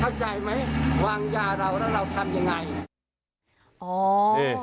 เข้าใจไหมวางยาเราแล้วเราทำยังไงอ๋อ